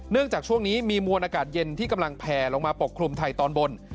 จากช่วงนี้มีมวลอากาศเย็นที่กำลังแผ่ลงมาปกคลุมไทยตอนบน